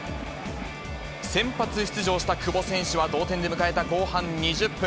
先発出場した久保選手は、同点で迎えた後半２０分。